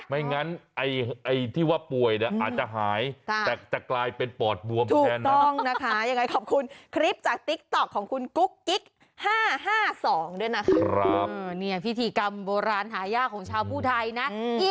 ไม่งั้นไอ้ที่ว่าป่วยเนี่ยอาจจะหายแต่จะกลายเป็นปอดบวมแทนถูกต้องนะคะ